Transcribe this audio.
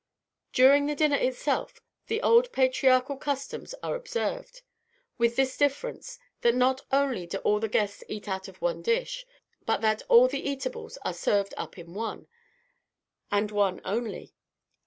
During the dinner itself the old patriarchal customs are observed, with this difference, that not only do all the guests eat out of one dish, but that all the eatables are served up in one, and one only.